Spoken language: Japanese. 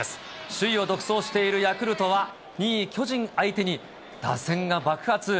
首位を独走しているヤクルトは、２位巨人相手に打線が爆発。